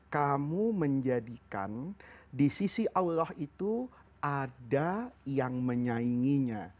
kamu menjadikan di sisi allah itu ada yang menyainginya